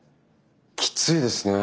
きついですね。